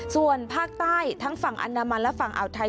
ส่วนภาคใต้ทั้งฝั่งอันดามันและฝั่งอ่าวไทย